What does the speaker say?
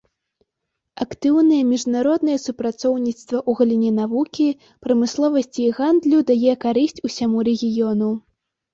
Актыўнае міжнароднае супрацоўніцтва ў галіне навукі, прамысловасці і гандлю дае карысць усяму рэгіёну.